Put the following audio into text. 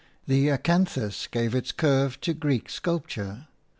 The acanthus gave its curve to Greek sculpture.